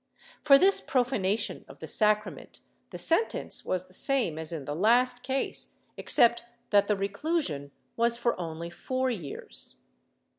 For this profanation of the sacrament the sentence was the same as in the last case, except that the reclusion was for only four years.